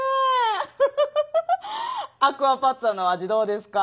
フフフフフアクアパッツァの味どうですか？